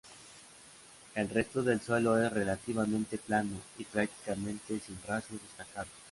El resto del suelo es relativamente plano y prácticamente sin rasgos destacables.